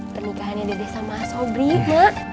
pernikahannya dede sama sobri mak